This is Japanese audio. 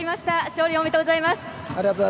勝利おめでとうございます。